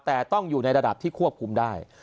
แต่ต้องอยู่ในระดับที่ควบคุมได้